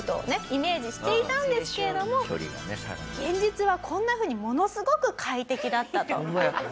イメージしていたんですけれども現実はこんなふうにものすごく快適だったと。